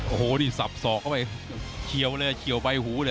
โอ้โหนี่สับสอกเข้าไปเฉียวเลยเฉียวใบหูเลย